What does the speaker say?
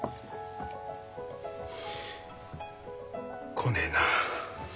来ねえなあ。